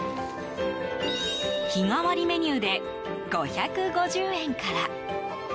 日替わりメニューで５５０円から。